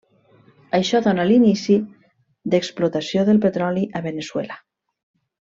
Això dóna l'inici d'explotació del petroli a Veneçuela.